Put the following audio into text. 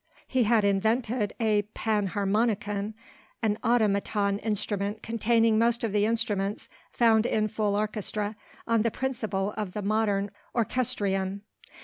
He had invented a Panharmonicon, an automaton instrument containing most of the instruments found in full orchestra, on the principle of the modern orchestrion.